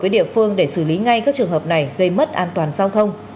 để xử lý ngay các trường hợp này gây mất an toàn giao thông